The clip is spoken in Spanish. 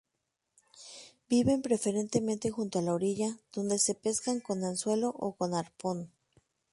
Viven preferentemente junto a la orilla, donde se pescan con anzuelo o con arpón.